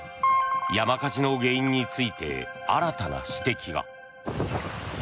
山火事の原因について新たな指摘が。